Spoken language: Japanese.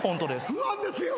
不安ですよ！